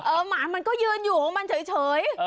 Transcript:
หมามันก็ยืนอยู่ของมันเฉย